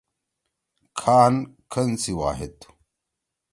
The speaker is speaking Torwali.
کھان کھن سی واحد تُھو۔